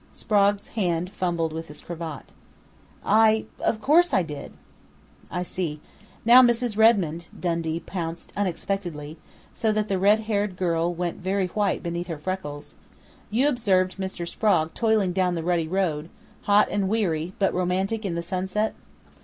Sprague's hand fumbled with his cravat. "I of course I did!" "I see.... Now, Miss Raymond," Dundee pounced unexpectedly, so that the red haired girl went very white beneath her freckles, "you observed Mr. Sprague toiling down the rutty road, hot and weary, but romantic in the sunset?"